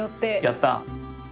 やった！